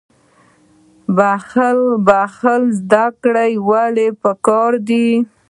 بخښل زده کول ولې پکار دي؟